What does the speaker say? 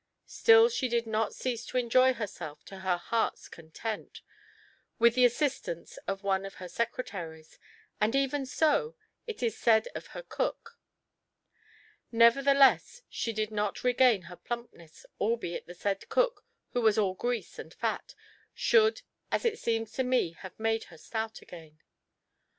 Still she did not cease to enjoy herself to her heart's content, with the assistance of one of her secretaries, and even so it is said of her cook. Nevertheless, she did not regain her plumpness, albeit the said cook, who was all grease and fat, should as it seems to me have made her stout again.